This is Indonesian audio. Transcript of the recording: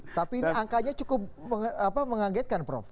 tapi ini angkanya cukup mengagetkan prof